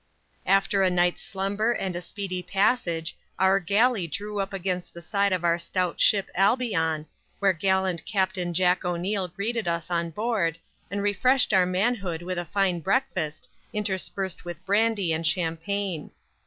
After a night's slumber and a speedy passage our galley drew up against the side of our stout ship Albion, when gallant Captain Jack O'Neil greeted us on board, and refreshed our manhood with a fine breakfast, interspersed with brandy and champagne.